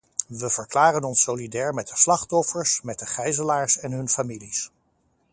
We verklaren ons solidair met de slachtoffers, met de gijzelaars en hun families.